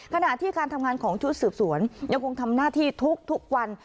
ขณะที่การทำงานของชุดสืบสวนยังคงทำหน้าที่ทุกวัน